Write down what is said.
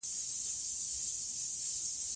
اداري پرېکړه باید عادلانه وي.